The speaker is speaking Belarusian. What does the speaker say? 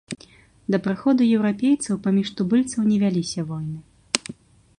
Да прыходу еўрапейцаў паміж тубыльцаў не вяліся войны.